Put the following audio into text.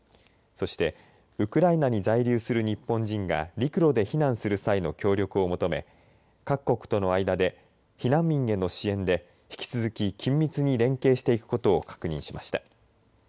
そしてウクライナに在留する日本人が陸路で避難する際の協力を求め各国との間で避難民への支援で引き続き緊密に連携していくことを確認しました。